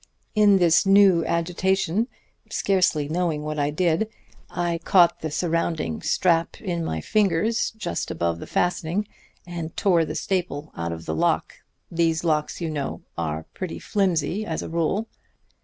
In this new agitation, scarcely knowing what I did, I caught the surrounding strap in my fingers just above the fastening and tore the staple out of the lock. These locks, you know, are pretty flimsy as a rule."